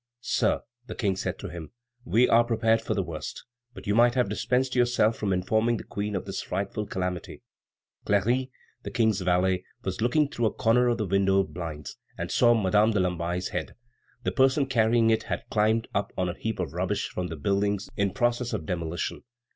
"Sir," the King said to him, "we are prepared for the worst, but you might have dispensed yourself from informing the Queen of this frightful calamity." Cléry, the King's valet, was looking through a corner of the window blinds, and saw Madame de Lamballe's head. The person carrying it had climbed up on a heap of rubbish from the buildings in process of demolition.